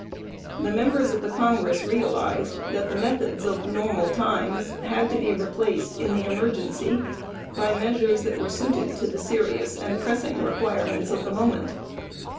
The members of Congress realized that the methods of normal times had to be replaced in the emergency by measures which were suited to the serious and pressing requirements of the moment.